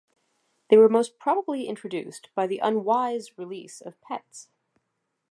They were most probably introduced by the unwise release of pets.